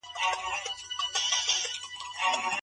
ماشومان چيرته سالمه روزنه ترلاسه کولای سي؟